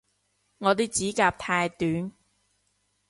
我啲指甲太短